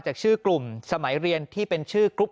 หยุดหยุดหยุด